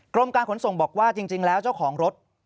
กรมการขนส่งบอกว่าจริงแล้วเจ้าของรถ